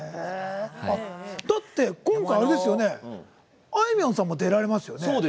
だって、今回あれですよねあいみょんさんも出られますよね。